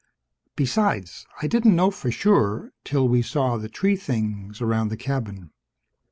Besides, I didn't know for sure, till we saw the tree things around the cabin."